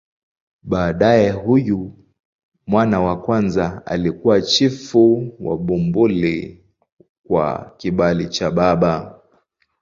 Baadaye huyu mwana wa kwanza alikuwa chifu wa Bumbuli kwa kibali cha baba.